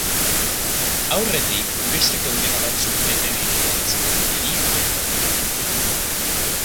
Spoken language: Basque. Aurretik, beste kondena batzuk bete ditu antzeko delituengatik.